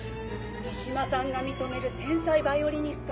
三島さんが認める天才ヴァイオリニスト。